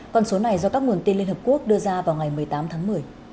con số này do các nguồn tin liên hợp quốc đưa ra vào ngày một mươi tám tháng một mươi